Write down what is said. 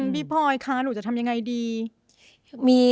พี่พลอยคะหนูจะทำยังไงดี